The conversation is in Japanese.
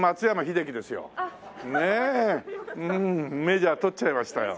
メジャー取っちゃいましたよ。